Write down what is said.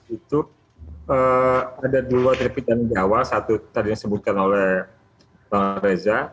itu ada dua terpikir yang di awal satu tadi disebutkan oleh bang reza